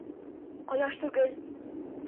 Ҡояш түгел!